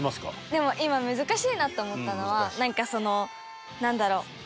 でも今難しいなと思ったのはなんかそのなんだろう。